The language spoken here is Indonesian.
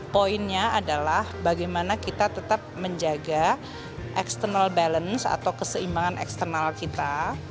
poinnya adalah bagaimana kita tetap menjaga external balance atau keseimbangan eksternal kita